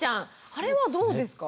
あれはどうですか。